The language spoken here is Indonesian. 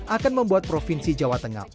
akan membuat provinsi jawa tengah